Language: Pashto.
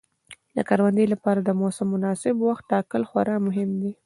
د کروندې لپاره د موسم مناسب وخت ټاکل خورا مهم دي.